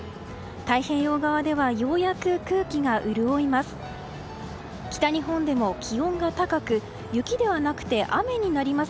太平洋側ではようやく空気が潤います。